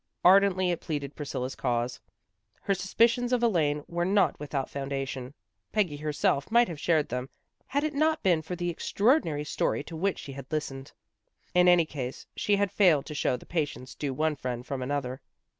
Ardently it pleaded Priscilla's cause. Her suspicions of Elaine were not without foundation. Peggy herself might have shared them had it not been for the extraordinary story to which she had listened. In any case, she had failed to show the patience due one friend from another.